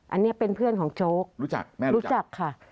อันนี้เป็นเพื่อนของโจ๊กรู้จักแม่ลูกรู้จักค่ะ